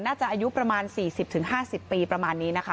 น่าจะอายุประมาณสี่สิบถึงห้าสิบปีประมาณนี้นะคะ